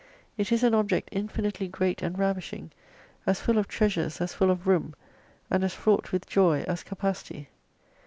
It is an object infinitely great and ravishing : as full of treasures as full of room, and as fraught with joy as capacity.